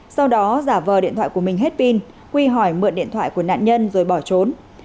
sau đó giả vờ điện thoại của mình hết pin huy hỏi mượn điện thoại của nạn nhân rồi bỏ trốn